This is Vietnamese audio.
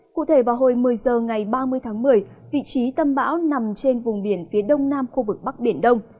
cụ thể vào hồi một mươi h ngày ba mươi tháng một mươi vị trí tâm bão nằm trên vùng biển phía đông nam khu vực bắc biển đông